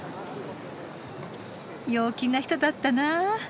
陽気な人だったな。